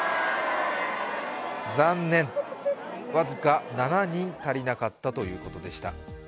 僅か７人、足りなかったということでした。